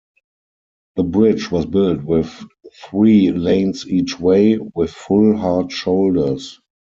The bridge was built with three lanes each way, with full hard shoulders.